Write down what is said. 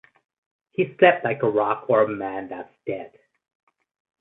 He slept like a rock or a man that's dead.